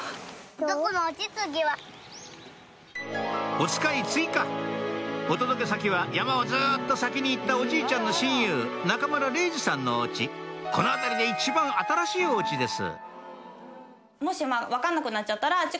おつかい追加お届け先は山をずっと先に行ったおじいちゃんの親友中村れいじさんのお家この辺りで一番新しいお家です